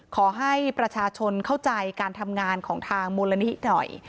ขอให้ประชาชนเข้าใจการทำงานของทางมูลนิธิหน่อย